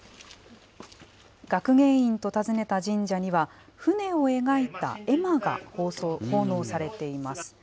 学芸員と訪ねた神社には、船を描いた絵馬が奉納されています。